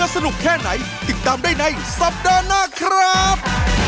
สัปดาห์นะครับ